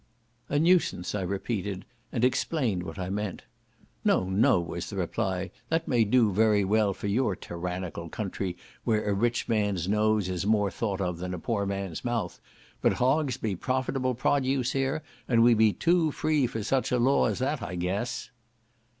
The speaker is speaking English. "A nuisance," I repeated, and explained what I meant. "No, no," was the reply, "that may do very well for your tyrannical country, where a rich man's nose is more thought of than a poor man's mouth; but hogs be profitable produce here, and we be too free for such a law as that, I guess."